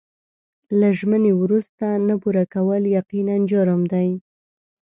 له ژمنې وروسته نه پوره کول یقیناً جرم دی.